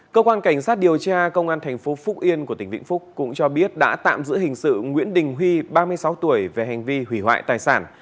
cơ quan cảnh sát điều tra công an thành phố phúc yên của tỉnh vĩnh phúc cũng cho biết đã tạm giữ hình sự nguyễn đình huy ba mươi sáu tuổi về hành vi hủy hoại tài sản